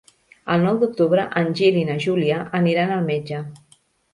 El nou d'octubre en Gil i na Júlia aniran al metge.